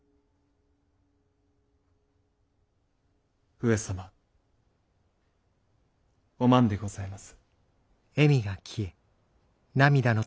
上様お万でございます。